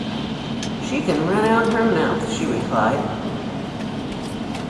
'She can rent out her mouth,' she replied.